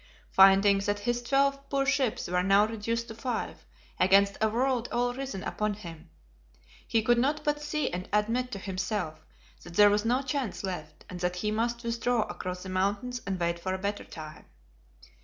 Finding that his twelve poor ships were now reduced to five, against a world all risen upon him, he could not but see and admit to himself that there was no chance left; and that he must withdraw across the mountains and wait for a better time.